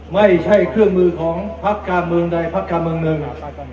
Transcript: ไม่ใช่เครื่องมือของพักการเมืองใดพักการเมืองหนึ่ง